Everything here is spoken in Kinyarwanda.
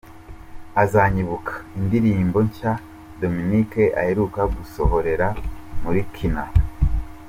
Azanyibuka, indirimbo nshya Dominic aheruka gusohorera muri Kina :.